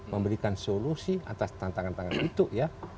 memberikan solusi atas tantangan tantangan itu ya